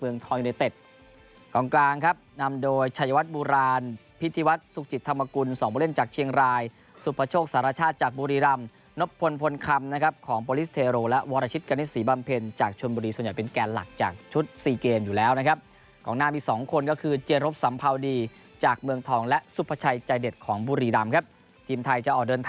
อีโดนิเซียนะครับในวันพรุ่งนี้